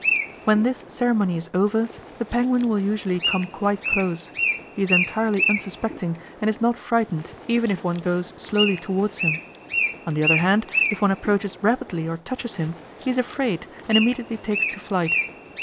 When this ceremony is over, the penguin will usually come quite close; he is entirely unsuspecting and is not frightened even if one goes slowly towards him. On the other hand, if one approaches rapidly or touches him, he is afraid and immediately takes to flight.